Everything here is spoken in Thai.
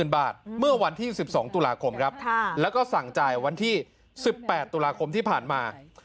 เมื่อวันที่๑๒ตุลาคมครับแล้วก็สั่งจ่ายวันที่๑๘ตุลาคมที่ผ่านมา